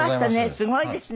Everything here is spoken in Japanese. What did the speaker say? すごいですね。